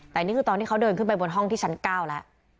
แต่นี่คือตอนที่เขาเดินขึ้นไปบนห้องที่ชั้น๙แล้ว